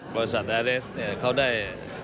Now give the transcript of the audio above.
บริษัทแอร์เอสเขาได้